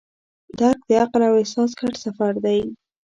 درک د عقل او احساس ګډ سفر دی.